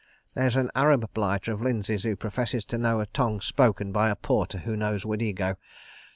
"There's an Arab blighter of Lindsay's who professes to know a tongue spoken by a porter who knows Wadego.